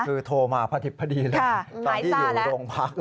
คือโทรมาพระทิพย์พระดีตอนที่อยู่โรงพักษณ์